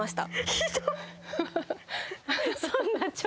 ひどい。